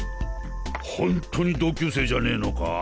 ほんとに同級生じゃねぇのか？